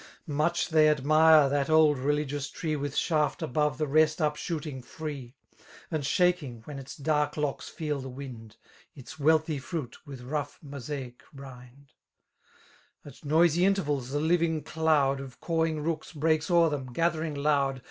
Much they admire that old rdigious tree With shaft above the rest up shooting lpee» And shaking, when its dark locks feei tbe wind, ' Its wealthy fruit with rough Mosaic rindk At noisy intervals, <he living <doiid Of cawing rooks ineaks o'er theni> gailieriag>k>Bdv.